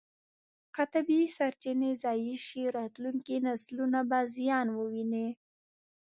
که طبیعي سرچینې ضایع شي، راتلونکي نسلونه به زیان وویني.